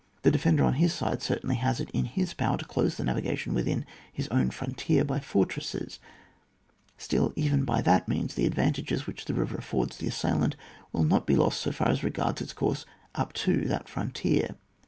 The defender, on his side, certainly has it in his power to close the navigation within his own frontier by fortresses ; still even by that means the advantages which the river affords the assailant will not be lost so far as regards its course up to that frontier.